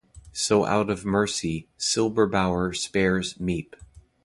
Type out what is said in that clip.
So, out of mercy, Silberbauer spares Miep.